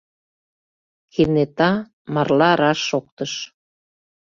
Кенета марла раш шоктыш: